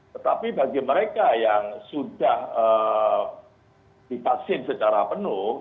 tetapi bagi mereka yang sudah divaksin secara penuh